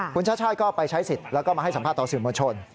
คุณชาติชาติก็ไปใช้สิทธิ์แล้วก็มาให้สัมภาษณ์ต่อสื่อมวลชน